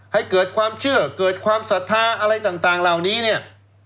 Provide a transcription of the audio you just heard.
ให้เกิดความเชื่อเกิดความศรัทธาอะไรต่างเหล่านี้เนี่ย